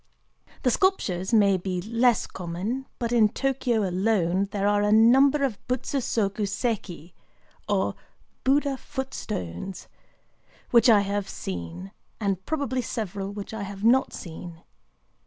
The sculptures may be less common; but in Tōkyō alone there are a number of Butsu soku séki, or "Buddha foot stones," which I have seen,—and probably several which I have not seen.